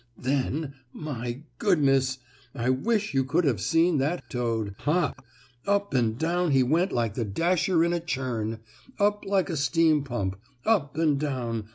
Then, my goodness! I wish you could have seen that toad hop. Up and down he went like the dasher in a churn, or like a steam pump. Up and down!